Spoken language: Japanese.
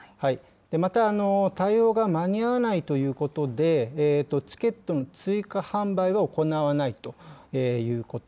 また、対応が間に合わないということで、チケットの追加販売は行わないということ。